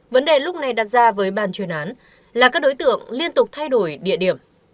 vấn đề lúc này đặt ra với bàn chuyên án là các đối tượng liên tục thay đổi địa điểm